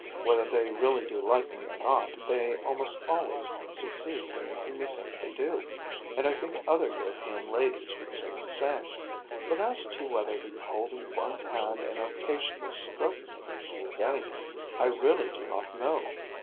Whether they really do like me or not, they almost always succeed in making me think they do; and I think other European ladies would say the same. But as to whether the holding one's hand and occasionally stroking it means anything, I really do not know.